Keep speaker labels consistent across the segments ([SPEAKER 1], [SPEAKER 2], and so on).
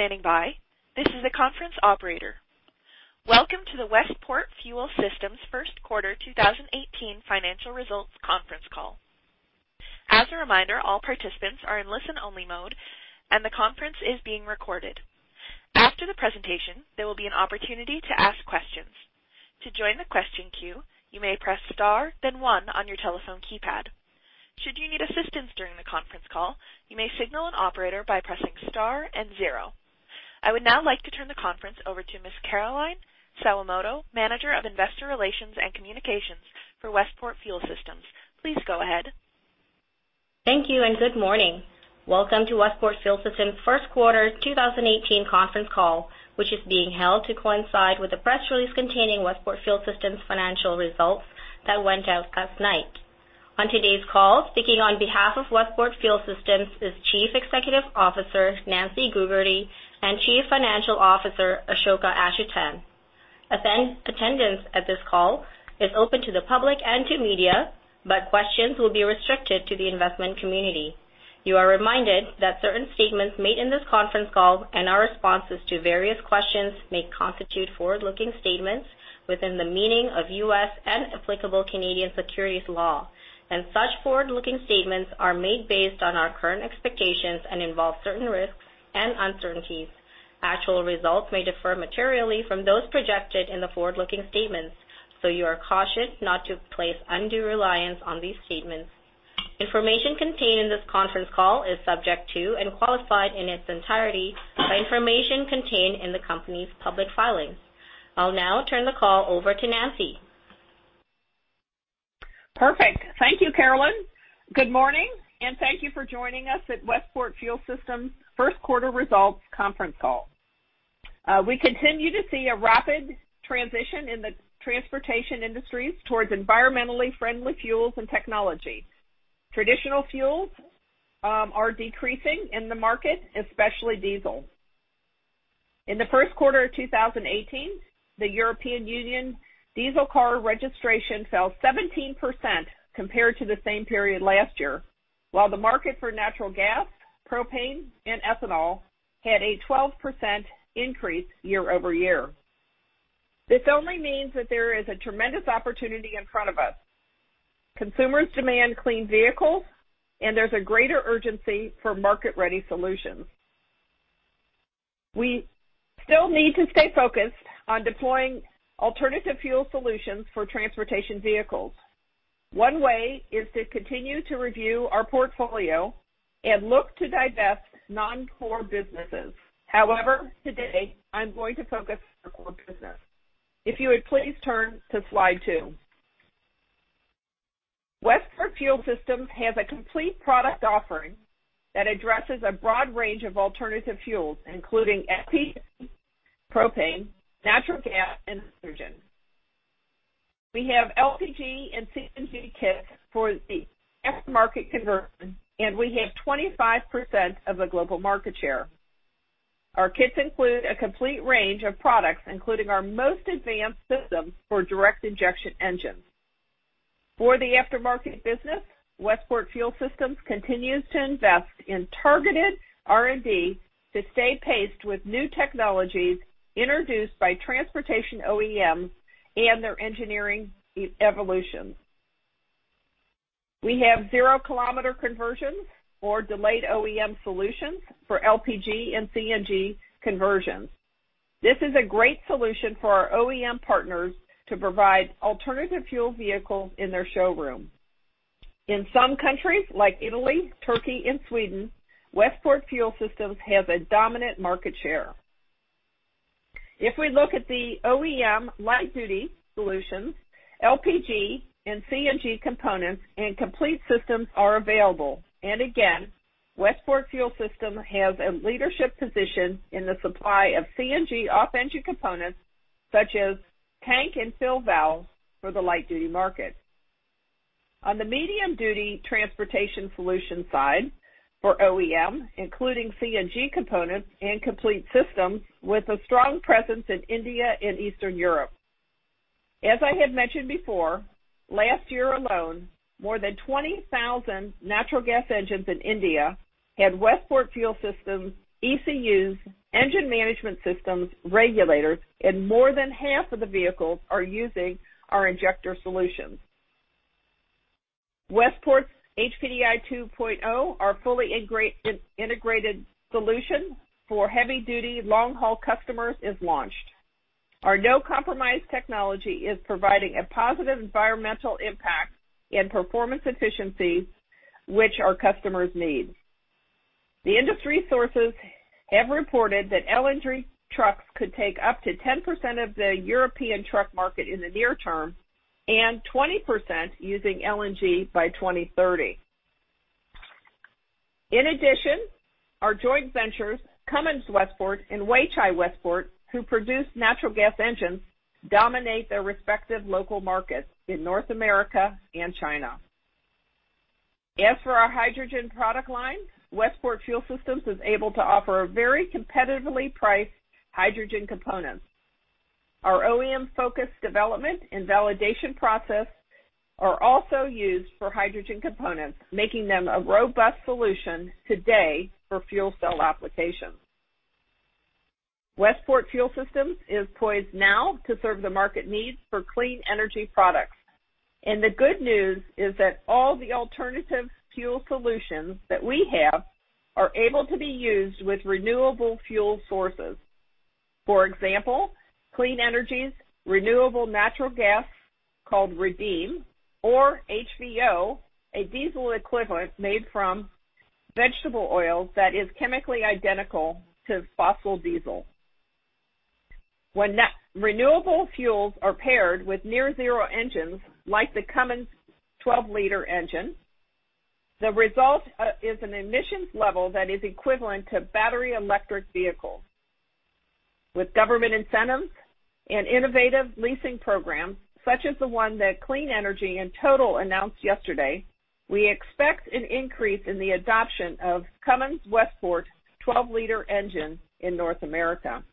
[SPEAKER 1] Thank you for standing by. This is the conference operator. Welcome to the Westport Fuel Systems first quarter 2018 financial results conference call. As a reminder, all participants are in listen-only mode, and the conference is being recorded. After the presentation, there will be an opportunity to ask questions. To join the question queue, you may press star then one on your telephone keypad. Should you need assistance during the conference call, you may signal an operator by pressing star and zero. I would now like to turn the conference over to Ms. Caroline Sawamoto, Manager of Investor Relations and Communications for Westport Fuel Systems. Please go ahead.
[SPEAKER 2] Thank you. Good morning. Welcome to Westport Fuel Systems first quarter 2018 conference call, which is being held to coincide with the press release containing Westport Fuel Systems financial results that went out last night. On today's call, speaking on behalf of Westport Fuel Systems is Chief Executive Officer Nancy Gougarty, and Chief Financial Officer Ashoka Achuthan. Attendance at this call is open to the public and to media. Questions will be restricted to the investment community. You are reminded that certain statements made in this conference call and our responses to various questions may constitute forward-looking statements within the meaning of U.S. and applicable Canadian securities law. Such forward-looking statements are made based on our current expectations and involve certain risks and uncertainties. Actual results may differ materially from those projected in the forward-looking statements. You are cautioned not to place undue reliance on these statements. Information contained in this conference call is subject to and qualified in its entirety by information contained in the company's public filings. I'll now turn the call over to Nancy.
[SPEAKER 3] Perfect. Thank you, Caroline. Good morning. Thank you for joining us at Westport Fuel Systems first quarter results conference call. We continue to see a rapid transition in the transportation industries towards environmentally friendly fuels and technology. Traditional fuels are decreasing in the market, especially diesel. In the first quarter of 2018, the European Union diesel car registration fell 17% compared to the same period last year. The market for natural gas, propane, and ethanol had a 12% increase year-over-year. This only means that there is a tremendous opportunity in front of us. Consumers demand clean vehicles, and there's a greater urgency for market-ready solutions. We still need to stay focused on deploying alternative fuel solutions for transportation vehicles. One way is to continue to review our portfolio and look to divest non-core businesses. However, today, I'm going to focus on core business. If you would please turn to slide two. Westport Fuel Systems has a complete product offering that addresses a broad range of alternative fuels, including LPG, propane, natural gas, and hydrogen. We have LPG and CNG kits for the aftermarket conversion, and we have 25% of the global market share. Our kits include a complete range of products, including our most advanced systems for direct injection engines. For the aftermarket business, Westport Fuel Systems continues to invest in targeted R&D to stay paced with new technologies introduced by transportation OEMs and their engineering evolutions. We have zero-kilometer conversions or delayed OEM solutions for LPG and CNG conversions. This is a great solution for our OEM partners to provide alternative fuel vehicles in their showroom. In some countries like Italy, Turkey, and Sweden, Westport Fuel Systems has a dominant market share. If we look at the OEM light-duty solutions, LPG and CNG components and complete systems are available. Again, Westport Fuel Systems has a leadership position in the supply of CNG off-engine components such as tank and fill valves for the light-duty market. On the medium-duty transportation solution side for OEM, including CNG components and complete systems with a strong presence in India and Eastern Europe. As I had mentioned before, last year alone, more than 20,000 natural gas engines in India had Westport Fuel Systems ECUs engine management systems regulators, and more than half of the vehicles are using our injector solutions. Westport's HPDI 2.0 are fully integrated solution for heavy-duty long-haul customers is launched. Our no-compromise technology is providing a positive environmental impact and performance efficiency which our customers need. The industry sources have reported that LNG trucks could take up to 10% of the European truck market in the near term and 20% using LNG by 2030. In addition, our joint ventures, Cummins Westport and Weichai Westport, who produce natural gas engines, dominate their respective local markets in North America and China. As for our hydrogen product line, Westport Fuel Systems is able to offer a very competitively priced hydrogen components. Our OEM-focused development and validation process are also used for hydrogen components, making them a robust solution today for fuel cell applications. Westport Fuel Systems is poised now to serve the market needs for clean energy products. The good news is that all the alternative fuel solutions that we have are able to be used with renewable fuel sources. For example, Clean Energy's renewable natural gas, called Redeem, or HVO, a diesel equivalent made from vegetable oils that is chemically identical to fossil diesel. When renewable fuels are paired with near zero engines, like the Cummins 12-liter engine, the result is an emissions level that is equivalent to battery electric vehicles. With government incentives and innovative leasing programs, such as the one that Clean Energy and Total announced yesterday, we expect an increase in the adoption of Cummins Westport's 12-liter engine in North America.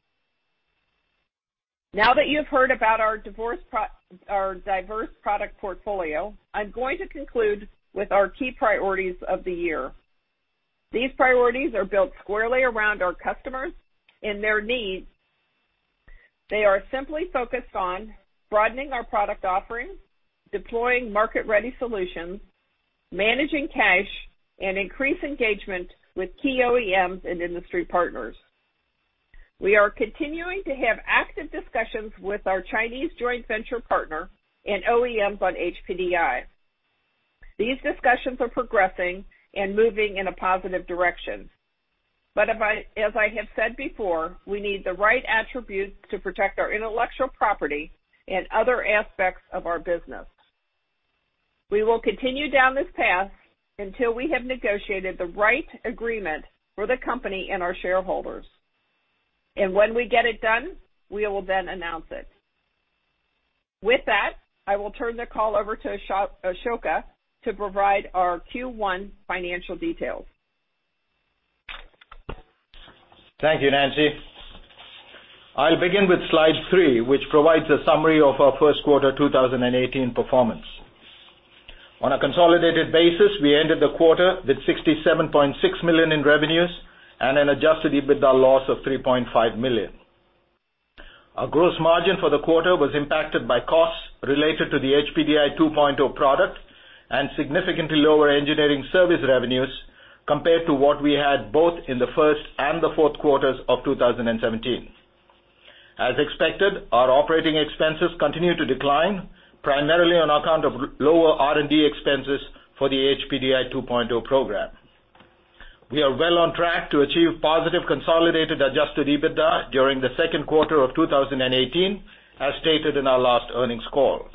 [SPEAKER 3] Now that you've heard about our diverse product portfolio, I'm going to conclude with our key priorities of the year. These priorities are built squarely around our customers and their needs. They are simply focused on broadening our product offerings, deploying market-ready solutions, managing cash, and increase engagement with key OEMs and industry partners. We are continuing to have active discussions with our Chinese joint venture partner and OEMs on HPDI. These discussions are progressing and moving in a positive direction. As I have said before, we need the right attributes to protect our intellectual property and other aspects of our business. We will continue down this path until we have negotiated the right agreement for the company and our shareholders. When we get it done, we will then announce it. With that, I will turn the call over to Ashoka to provide our Q1 financial details.
[SPEAKER 4] Thank you, Nancy. I'll begin with slide three, which provides a summary of our first quarter 2018 performance. On a consolidated basis, we ended the quarter with $67.6 million in revenues and an adjusted EBITDA loss of $3.5 million. Our gross margin for the quarter was impacted by costs related to the HPDI 2.0 product and significantly lower engineering service revenues compared to what we had both in the first and the fourth quarters of 2017. As expected, our operating expenses continued to decline, primarily on account of lower R&D expenses for the HPDI 2.0 program. We are well on track to achieve positive consolidated adjusted EBITDA during the second quarter of 2018, as stated in our last earnings call.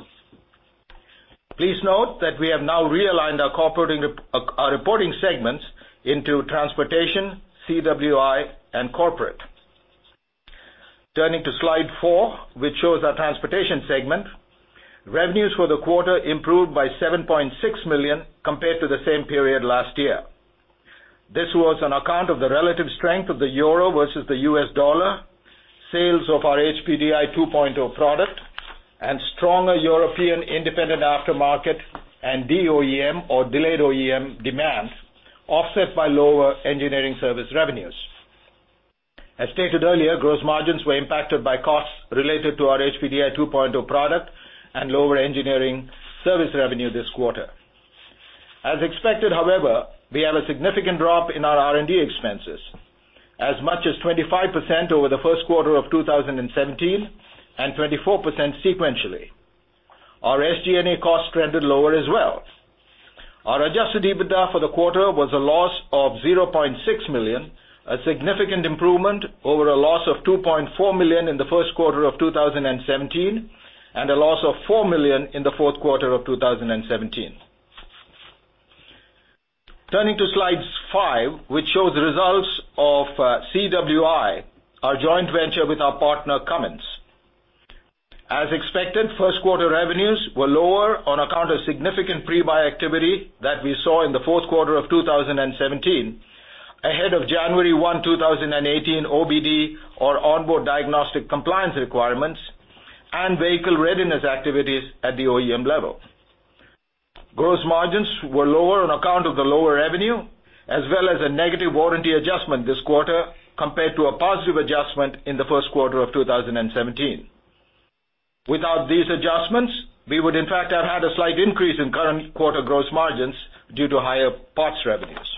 [SPEAKER 4] Please note that we have now realigned our reporting segments into Transportation, CWI, and Corporate. Turning to slide four, which shows our Transportation segment. Revenues for the quarter improved by $7.6 million compared to the same period last year. This was on account of the relative strength of the euro versus the US dollar, sales of our HPDI 2.0 product, and stronger European independent aftermarket and DOEM, or delayed OEM demand, offset by lower engineering service revenues. As stated earlier, gross margins were impacted by costs related to our HPDI 2.0 product and lower engineering service revenue this quarter. As expected, however, we have a significant drop in our R&D expenses, as much as 25% over the first quarter of 2017 and 24% sequentially. Our SG&A costs trended lower as well. Our adjusted EBITDA for the quarter was a loss of $0.6 million, a significant improvement over a loss of $2.4 million in the first quarter of 2017, and a loss of $4 million in the fourth quarter of 2017. Turning to slide five, which shows results of CWI, our joint venture with our partner, Cummins. As expected, first quarter revenues were lower on account of significant pre-buy activity that we saw in the fourth quarter of 2017, ahead of January 1, 2018, OBD, or onboard diagnostic compliance requirements, and vehicle readiness activities at the OEM level. Gross margins were lower on account of the lower revenue, as well as a negative warranty adjustment this quarter compared to a positive adjustment in the first quarter of 2017. Without these adjustments, we would in fact have had a slight increase in current quarter gross margins due to higher parts revenues.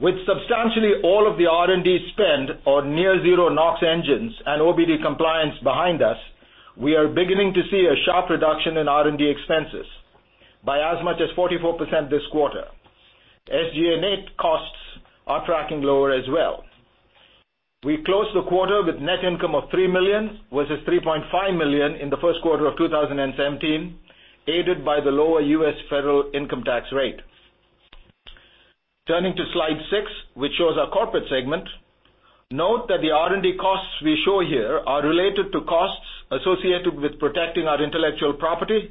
[SPEAKER 4] With substantially all of the R&D spend on near zero NOx engines and OBD compliance behind us, we are beginning to see a sharp reduction in R&D expenses, by as much as 44% this quarter. SG&A costs are tracking lower as well. We closed the quarter with net income of $3 million, versus $3.5 million in the first quarter of 2017, aided by the lower U.S. federal income tax rate. Turning to slide six, which shows our Corporate segment. Note that the R&D costs we show here are related to costs associated with protecting our intellectual property,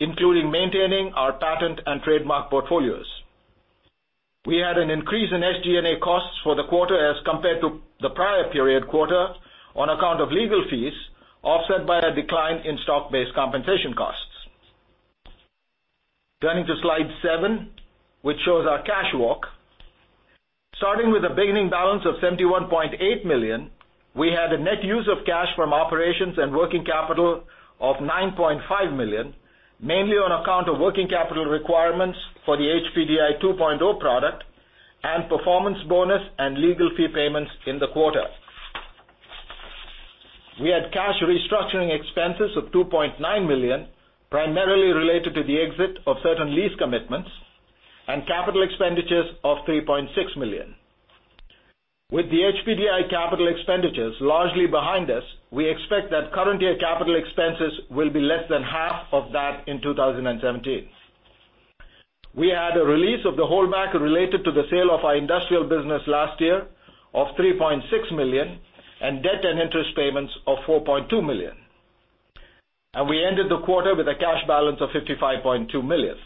[SPEAKER 4] including maintaining our patent and trademark portfolios. We had an increase in SG&A costs for the quarter as compared to the prior period quarter on account of legal fees, offset by a decline in stock-based compensation costs. Turning to Slide seven, which shows our cash walk. Starting with a beginning balance of $71.8 million, we had a net use of cash from operations and working capital of $9.5 million, mainly on account of working capital requirements for the HPDI 2.0 product and performance bonus and legal fee payments in the quarter. We had cash restructuring expenses of $2.9 million, primarily related to the exit of certain lease commitments, and capital expenditures of $3.6 million. With the HPDI capital expenditures largely behind us, we expect that current year capital expenses will be less than half of that in 2017. We had a release of the holdback related to the sale of our industrial business last year of $3.6 million and debt and interest payments of $4.2 million. We ended the quarter with a cash balance of $55.2 million.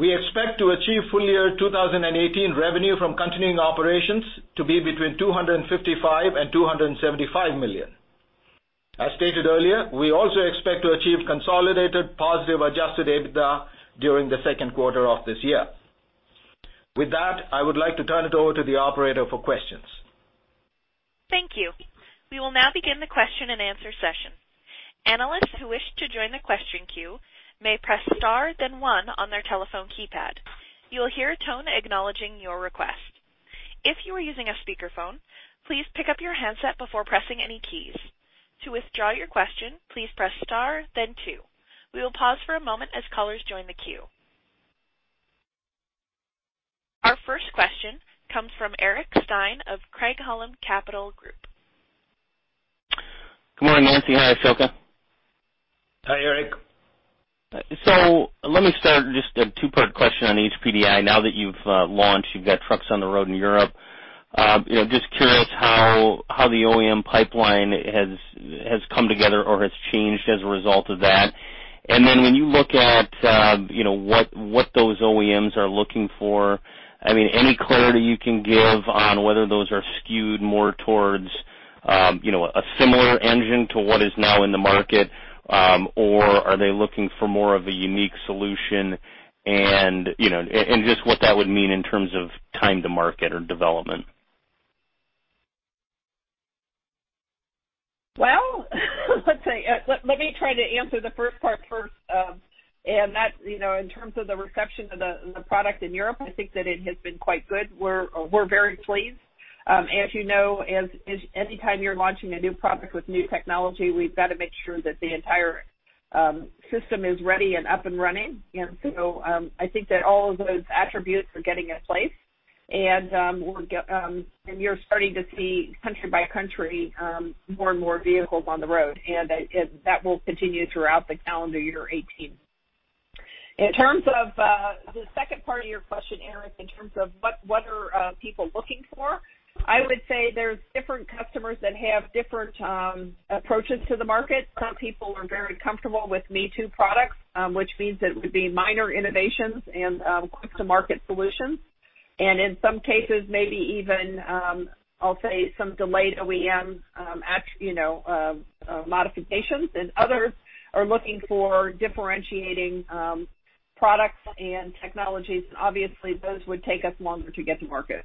[SPEAKER 4] We expect to achieve full year 2018 revenue from continuing operations to be between $255 million and $275 million. As stated earlier, we also expect to achieve consolidated positive adjusted EBITDA during the second quarter of this year. With that, I would like to turn it over to the operator for questions.
[SPEAKER 1] Thank you. We will now begin the question and answer session. Analysts who wish to join the question queue may press star then one on their telephone keypad. You will hear a tone acknowledging your request. If you are using a speakerphone, please pick up your handset before pressing any keys. To withdraw your question, please press star then two. We will pause for a moment as callers join the queue. Our first question comes from Eric Stine of Craig-Hallum Capital Group.
[SPEAKER 5] Good morning, Nancy. Hi, Ashoka.
[SPEAKER 4] Hi, Eric.
[SPEAKER 5] Let me start, just a two-part question on HPDI. Now that you've launched, you've got trucks on the road in Europe, just curious how the OEM pipeline has come together or has changed as a result of that. When you look at what those OEMs are looking for, any clarity you can give on whether those are skewed more towards a similar engine to what is now in the market, or are they looking for more of a unique solution? Just what that would mean in terms of time to market or development.
[SPEAKER 3] Well, let me try to answer the first part first. That in terms of the reception of the product in Europe, I think that it has been quite good. We're very pleased. As you know, any time you're launching a new product with new technology, we've got to make sure that the entire system is ready and up and running. So I think that all of those attributes are getting in place, and you're starting to see, country by country, more and more vehicles on the road, and that will continue throughout the calendar year 2018. In terms of the second part of your question, Eric, in terms of what are people looking for, I would say there's different customers that have different approaches to the market. Some people are very comfortable with me-too products, which means that it would be minor innovations and quick-to-market solutions. In some cases, maybe even, I'll say, some delayed OEM modifications, and others are looking for differentiating products and technologies. Obviously, those would take us longer to get to market.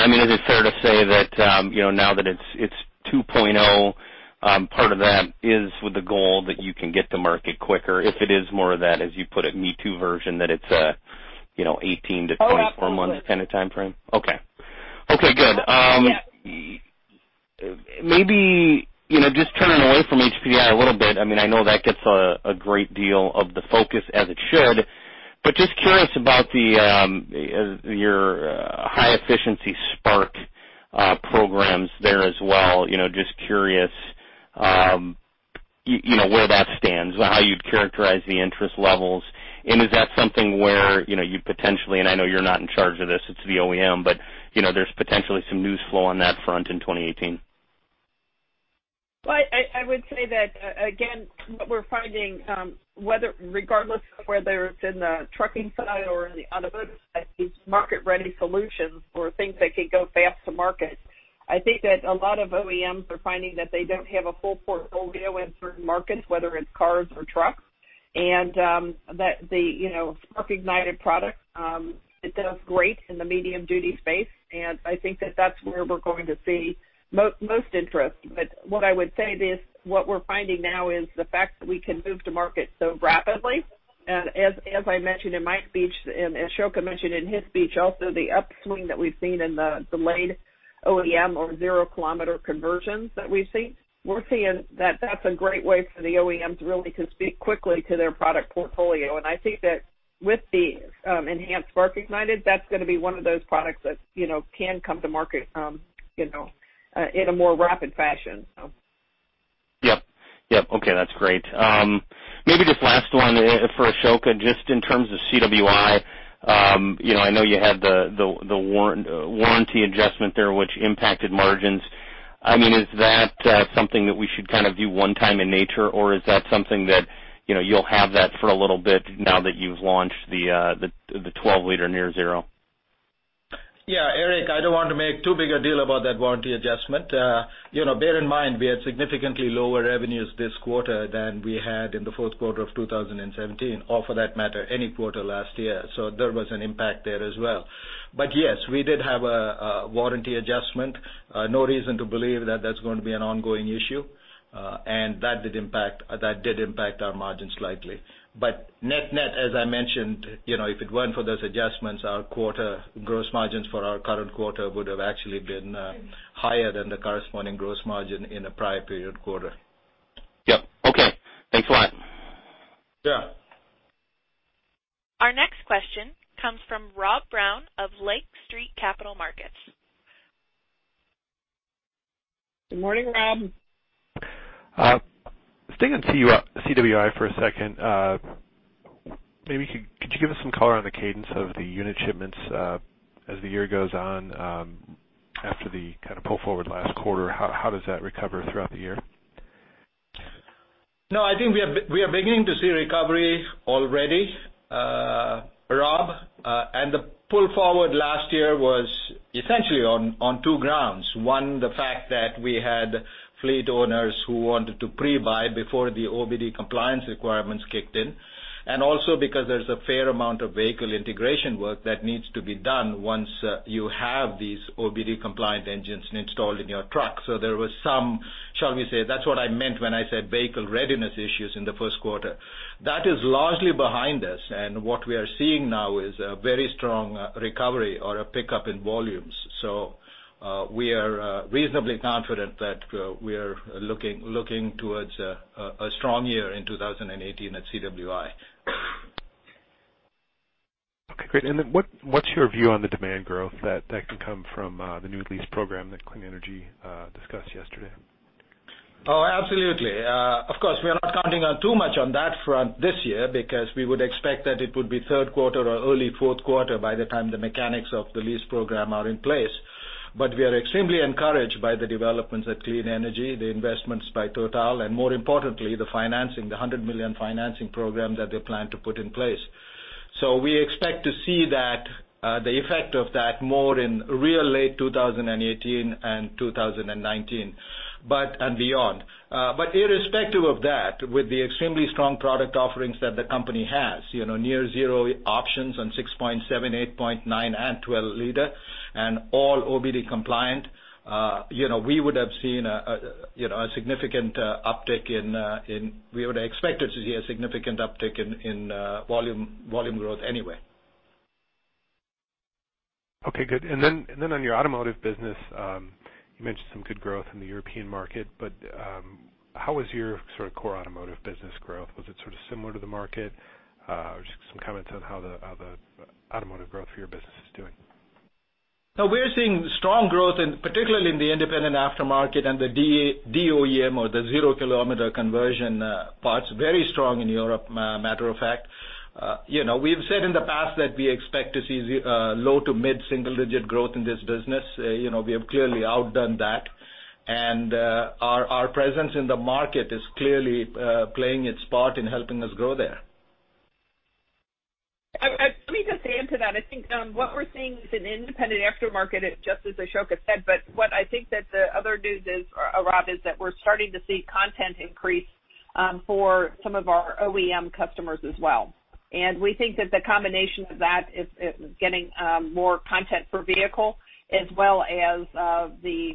[SPEAKER 5] Got it. Is it fair to say that now that it's 2.0, part of that is with the goal that you can get to market quicker if it is more of that, as you put it, me-too version, that it's an 18-24-month kind of timeframe?
[SPEAKER 3] Absolutely.
[SPEAKER 5] Okay. Okay, good.
[SPEAKER 3] Yeah.
[SPEAKER 5] Maybe just turning away from HPDI a little bit, I know that gets a great deal of the focus, as it should, but just curious about your high-efficiency spark programs there as well. Just curious where that stands, how you'd characterize the interest levels, and is that something where you'd potentially, and I know you're not in charge of this, it's the OEM, but there's potentially some news flow on that front in 2018?
[SPEAKER 3] Well, I would say that, again, what we're finding, regardless of whether it's in the trucking side or on the other side, these market-ready solutions or things that can go fast to market, I think that a lot of OEMs are finding that they don't have a full portfolio in certain markets, whether it's cars or trucks, and that the spark-ignited product, it does great in the medium-duty space, and I think that that's where we're going to see most interest. What I would say is what we're finding now is the fact that we can move to market so rapidly, and as I mentioned in my speech, and Ashoka mentioned in his speech also, the upswing that we've seen in the delayed OEM or zero-kilometer conversions that we've seen, we're seeing that that's a great way for the OEMs really to speak quickly to their product portfolio. I think that with the enhanced spark-ignited, that's going to be one of those products that can come to market in a more rapid fashion.
[SPEAKER 5] Yep. Okay, that's great. Maybe just last one for Ashoka, just in terms of CWI, I know you had the warranty adjustment there, which impacted margins. Is that something that we should view one time in nature, or is that something that you'll have that for a little bit now that you've launched the 12-liter near zero?
[SPEAKER 4] Eric, I don't want to make too big a deal about that warranty adjustment. Bear in mind, we had significantly lower revenues this quarter than we had in the fourth quarter of 2017, or for that matter, any quarter last year. There was an impact there as well. Yes, we did have a warranty adjustment. No reason to believe that that's going to be an ongoing issue. That did impact our margin slightly. Net-net, as I mentioned, if it weren't for those adjustments, our gross margins for our current quarter would have actually been higher than the corresponding gross margin in the prior period quarter.
[SPEAKER 5] Yep. Okay. Thanks a lot.
[SPEAKER 4] Yeah.
[SPEAKER 1] Our next question comes from Robert Brown of Lake Street Capital Markets.
[SPEAKER 3] Good morning, Rob.
[SPEAKER 6] Staying on CWI for a second, maybe could you give us some color on the cadence of the unit shipments as the year goes on after the pull forward last quarter? How does that recover throughout the year?
[SPEAKER 4] No, I think we are beginning to see recovery already, Rob. The pull forward last year was essentially on two grounds. One, the fact that we had fleet owners who wanted to pre-buy before the OBD compliance requirements kicked in, and also because there's a fair amount of vehicle integration work that needs to be done once you have these OBD compliant engines installed in your truck. There was some, shall we say, that's what I meant when I said vehicle readiness issues in the first quarter. That is largely behind us, and what we are seeing now is a very strong recovery or a pickup in volumes. We are reasonably confident that we are looking towards a strong year in 2018 at CWI.
[SPEAKER 6] Okay, great. What's your view on the demand growth that can come from the new lease program that Clean Energy discussed yesterday?
[SPEAKER 4] Oh, absolutely. Of course, we are not counting on too much on that front this year because we would expect that it would be third quarter or early fourth quarter by the time the mechanics of the lease program are in place. We are extremely encouraged by the developments at Clean Energy, the investments by Total, and more importantly, the financing, the $100 million financing program that they plan to put in place. We expect to see the effect of that more in real late 2018 and 2019, and beyond. Irrespective of that, with the extremely strong product offerings that the company has, near zero options on 6.7, 8.9, and 12 liter, and all OBD compliant, we would have expected to see a significant uptick in volume growth anyway.
[SPEAKER 6] Okay, good. On your automotive business, you mentioned some good growth in the European market, how was your core automotive business growth? Was it similar to the market? Just some comments on how the automotive growth for your business is doing.
[SPEAKER 4] We're seeing strong growth, particularly in the independent aftermarket and the DOEM or the zero-kilometer conversion parts, very strong in Europe, matter of fact. We've said in the past that we expect to see low to mid-single digit growth in this business. We have clearly outdone that, Our presence in the market is clearly playing its part in helping us grow there.
[SPEAKER 3] Let me just add to that. I think what we're seeing is an independent aftermarket, just as Ashoka said, what I think that the other news is, Rob, is that we're starting to see content increase for some of our OEM customers as well. We think that the combination of that is getting more content per vehicle, as well as the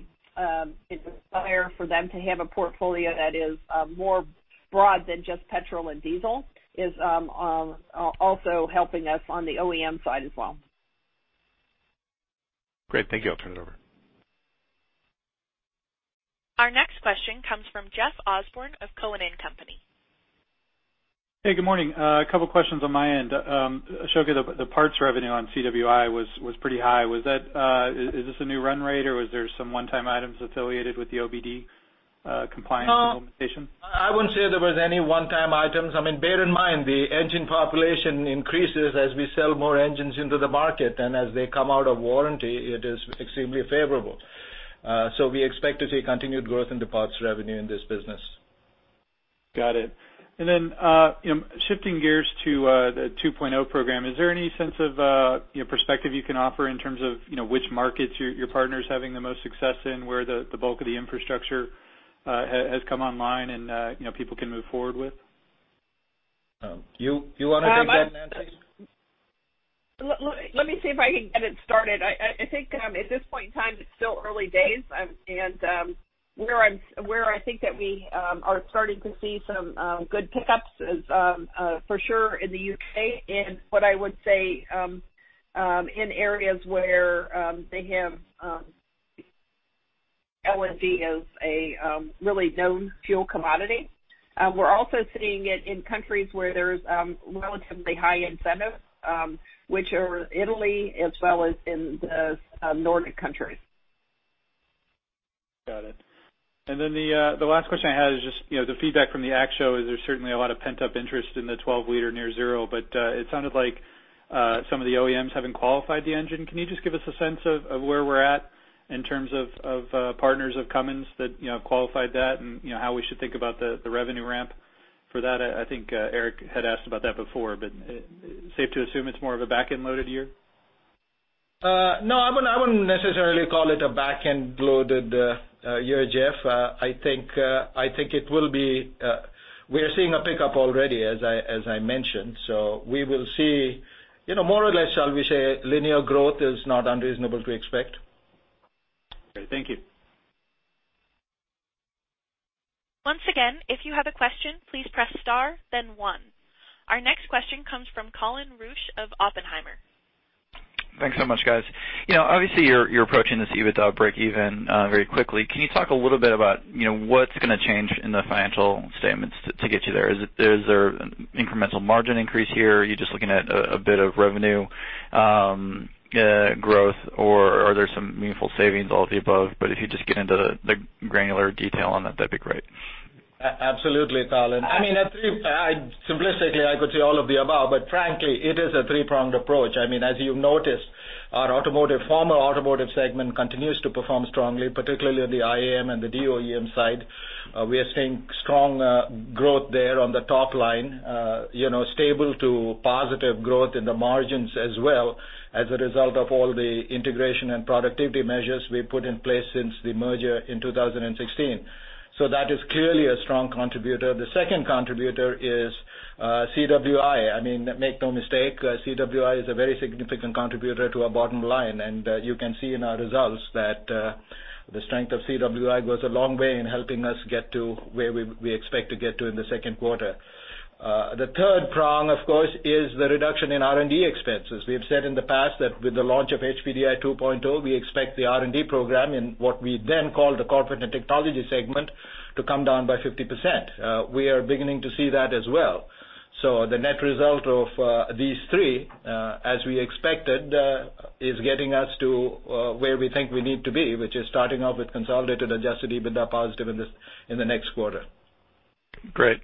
[SPEAKER 3] desire for them to have a portfolio that is more broad than just petrol and diesel is also helping us on the OEM side as well.
[SPEAKER 6] Great. Thank you. I'll turn it over.
[SPEAKER 1] Our next question comes from Jeff Osborne of Cowen and Company.
[SPEAKER 7] Hey, good morning. A couple questions on my end. Ashoka, the parts revenue on CWI was pretty high. Is this a new run rate, or was there some one-time items affiliated with the OBD compliance implementation?
[SPEAKER 4] I wouldn't say there was any one-time items. Bear in mind, the engine population increases as we sell more engines into the market, and as they come out of warranty, it is extremely favorable. We expect to see continued growth in the parts revenue in this business.
[SPEAKER 7] Got it. Then, shifting gears to the 2.0 program, is there any sense of perspective you can offer in terms of which markets your partner is having the most success in, where the bulk of the infrastructure has come online, and people can move forward with?
[SPEAKER 4] You want to take that, Nancy?
[SPEAKER 3] Let me see if I can get it started. I think at this point in time, it's still early days. Where I think that we are starting to see some good pickups is for sure in the U.K. and what I would say in areas where they have LNG as a really known fuel commodity. We're also seeing it in countries where there's relatively high incentives, which are Italy as well as in the Nordic countries.
[SPEAKER 7] Got it. Then the last question I had is just the feedback from the ACT show is there's certainly a lot of pent-up interest in the 12-liter near zero. It sounded like some of the OEMs haven't qualified the engine. Can you just give us a sense of where we're at in terms of partners of Cummins that qualified that and how we should think about the revenue ramp for that? I think Eric had asked about that before. Safe to assume it's more of a backend-loaded year?
[SPEAKER 4] No, I wouldn't necessarily call it a backend-loaded year, Jeff. I think we are seeing a pickup already, as I mentioned. We will see more or less, shall we say, linear growth is not unreasonable to expect.
[SPEAKER 7] Great. Thank you.
[SPEAKER 1] Once again, if you have a question, please press star, then one. Our next question comes from Colin Rusch of Oppenheimer.
[SPEAKER 8] Thanks so much, guys. Obviously, you're approaching this EBITDA breakeven very quickly. Can you talk a little bit about what's going to change in the financial statements to get you there? Is there an incremental margin increase here? Are you just looking at a bit of revenue growth or are there some meaningful savings, all of the above? If you just get into the granular detail on that'd be great.
[SPEAKER 4] Absolutely, Colin. Simplistically, I could say all of the above, but frankly, it is a three-pronged approach. As you've noticed, our former automotive segment continues to perform strongly, particularly on the IAM and the DOEM side. We are seeing strong growth there on the top line, stable to positive growth in the margins as well, as a result of all the integration and productivity measures we put in place since the merger in 2016. That is clearly a strong contributor. The second contributor is CWI. Make no mistake, CWI is a very significant contributor to our bottom line, and you can see in our results that the strength of CWI goes a long way in helping us get to where we expect to get to in the second quarter. The third prong, of course, is the reduction in R&D expenses. We have said in the past that with the launch of HPDI 2.0, we expect the R&D program, in what we then called the corporate and technology segment, to come down by 50%. We are beginning to see that as well. The net result of these three, as we expected, is getting us to where we think we need to be, which is starting off with consolidated, adjusted EBITDA positive in the next quarter.
[SPEAKER 8] Great.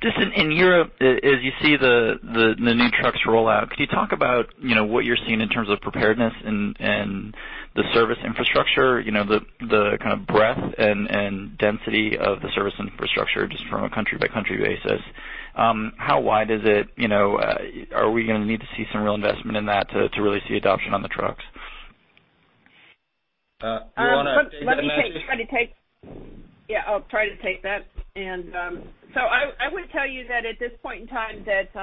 [SPEAKER 8] Just in Europe, as you see the new trucks roll out, could you talk about what you're seeing in terms of preparedness and the service infrastructure, the kind of breadth and density of the service infrastructure just from a country-by-country basis? How wide is it? Are we going to need to see some real investment in that to really see adoption on the trucks?
[SPEAKER 4] You want to take that, Nancy?
[SPEAKER 3] Yeah, I'll try to take that. I would tell you that at this point in time, that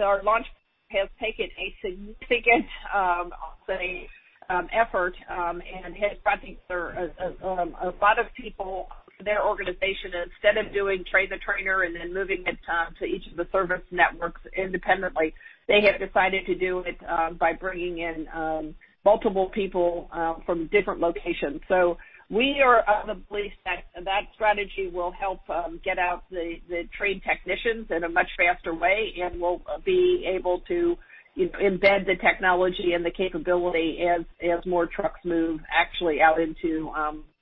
[SPEAKER 3] our launch has taken a significant, I'll say, effort, and I think a lot of people, their organization, instead of doing train the trainer and then moving it to each of the service networks independently, they have decided to do it by bringing in multiple people from different locations. We are of the belief that that strategy will help get out the trained technicians in a much faster way and will be able to embed the technology and the capability as more trucks move actually out into,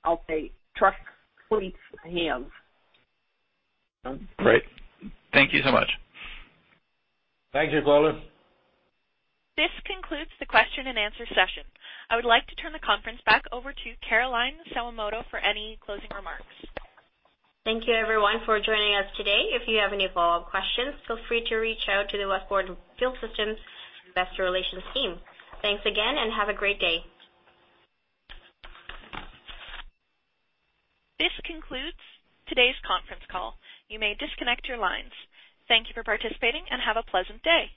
[SPEAKER 3] I'll say, truck fleet hands.
[SPEAKER 8] Great. Thank you so much.
[SPEAKER 4] Thank you, Colin.
[SPEAKER 1] This concludes the question and answer session. I would like to turn the conference back over to Caroline Sawamoto for any closing remarks.
[SPEAKER 2] Thank you everyone for joining us today. If you have any follow-up questions, feel free to reach out to the Westport Fuel Systems investor relations team. Thanks again, and have a great day.
[SPEAKER 1] This concludes today's conference call. You may disconnect your lines. Thank you for participating, and have a pleasant day.